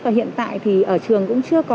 và hiện tại thì ở trường cũng chưa có